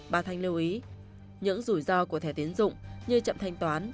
bà thanh lưu ý những rủi ro của thẻ tiến dụng như chậm thanh toán